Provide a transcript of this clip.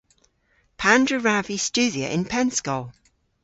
Pandr'a wrav vy studhya y'n pennskol?